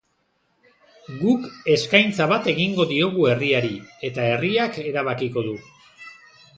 Guk eskaintza bat egingo diogu herriari, eta herriak erabakiko du.